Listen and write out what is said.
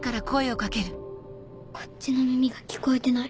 こっちの耳が聞こえてない。